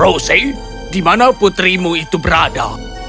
rose di mana putrimu itu berada